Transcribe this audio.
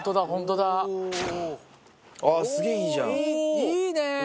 いいね！